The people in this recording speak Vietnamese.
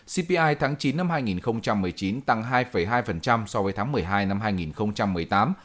cpi tháng chín năm hai nghìn một mươi chín tăng hai hai so với tháng một mươi hai năm hai nghìn một mươi tám